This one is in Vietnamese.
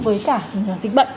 với cả dịch bệnh